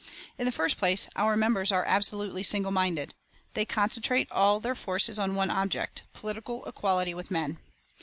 In the first place, our members are absolutely single minded; they concentrate all their forces on one object, political equality with men.